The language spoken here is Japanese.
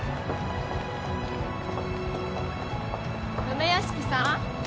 梅屋敷さん